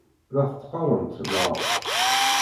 La t-teqqaremt, naɣ?